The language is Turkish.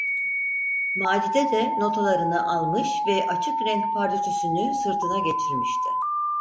Macide de notalarını almış ve açık renk pardösüsünü sırtına geçirmişti.